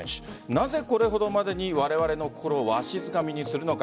なぜこれほどまでにわれわれの心をわしづかみにするのか。